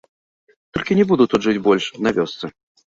Толькі не буду тут жыць больш, на вёсцы.